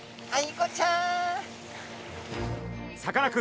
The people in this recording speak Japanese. はい。